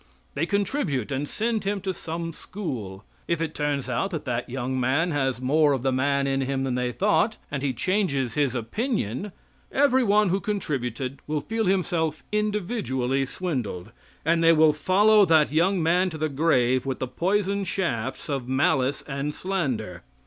They contribute and send him to some school. If it turns out that that young man has more of the man in him than they thought, and he changes his opinion, everyone who contributed will feel himself individually swindled and they will follow that young man to the grave with the poisoned shafts of malice and slander.